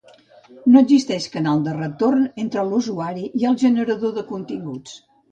No existeix canal de retorn entre l’usuari i el generador de continguts.